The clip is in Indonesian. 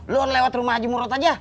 lu lewat rumah haji murad aja